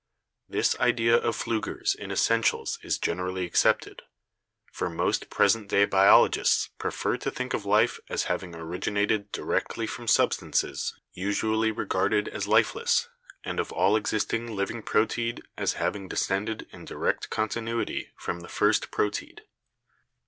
This idea of Pfliiger's in essentials is generally accepted, for most present day biologists prefer to think of life as having originated directly from substances usually re garded as lifeless and of all existing living proteid as having descended in direct continuity from the first pro teid.